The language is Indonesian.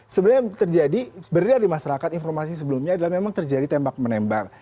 sebenarnya yang terjadi beredar di masyarakat informasi sebelumnya adalah memang terjadi tembak menembak